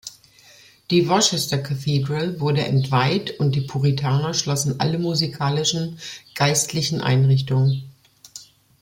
Die Worcester Cathedral wurde entweiht, und die Puritaner schlossen alle musikalischen geistlichen Einrichtungen.